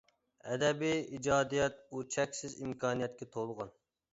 ئەدەبىي ئىجادىيەت ئۇ چەكسىز ئىمكانىيەتكە تولغان.